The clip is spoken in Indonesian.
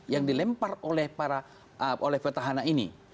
yang dilempar oleh petahana ini